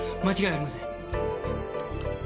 間違いありません。